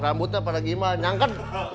rambutnya pada gimana nyangket